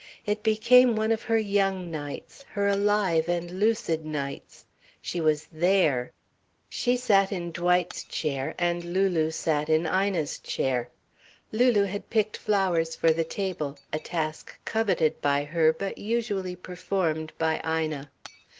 It became one of her young nights, her alive and lucid nights. She was there. She sat in Dwight's chair and Lulu sat in Ina's chair. Lulu had picked flowers for the table a task coveted by her but usually performed by Ina.